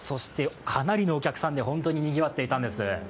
かなりのお客さんで本当ににぎわっていたんです。